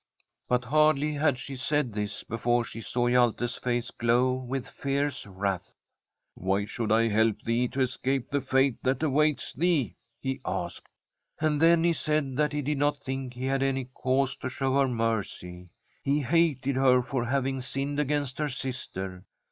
But hardly had she said this before she saw Hjalte's face glow with fierce wrath. * Why should I help thee to escape the fate that awaits thee ?' he asked. And then he said that he did not think he had any cause to show her mercy. He hated her for having sinned against her sister.